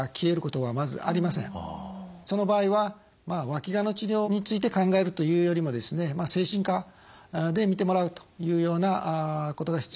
その場合はわきがの治療について考えるというよりも精神科で診てもらうというようなことが必要になる場合もあります。